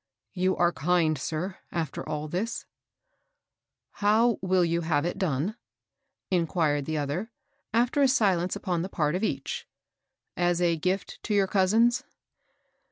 " You are kind, sir, after all this !"How will you have it done ?" inquired the other, after a silence upon the part of each ;" as a gift to your cousins